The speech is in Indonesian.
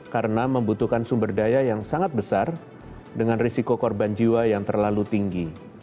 karena membutuhkan sumber daya yang sangat besar dengan risiko korban jiwa yang terlalu tinggi